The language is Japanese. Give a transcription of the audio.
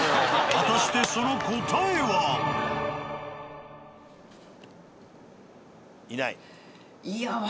果たしてその答えは？いない？